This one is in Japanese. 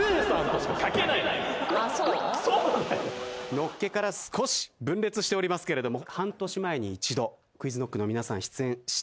のっけから少し分裂しておりますけれども。